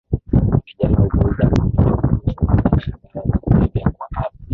vijana hupuuza maonyo kuhusu madhara ya dawa za kulevya kwa afya